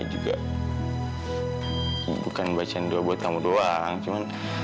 juga bukan bacaan doa buat kamu doang